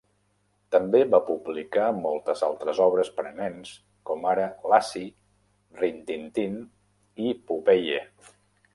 També va publicar moltes altres obres per a nens, com ara Lassie, Rin Tin Tin i Popeye.